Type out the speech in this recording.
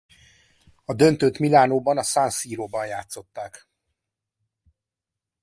A döntőt Milánóban a San Siróban játszották.